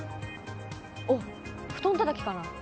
おっ、布団たたきかな？